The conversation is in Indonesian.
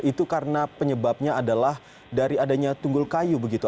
itu karena penyebabnya adalah dari adanya tunggul kayu begitu